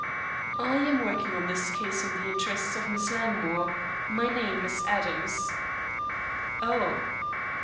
"I am working on this case in the interests of Miss Langmore. My name is Adams." "Oh!"